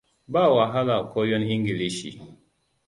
Ba wahala koyon Ingilishi.